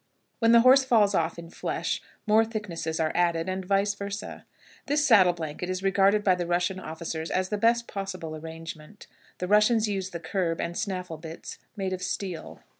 When the horse falls off in flesh, more thicknesses are added, and "vice versa." This saddle blanket is regarded by the Russian officers as the best possible arrangement. The Russians use the curb and snaffle bits made of steel.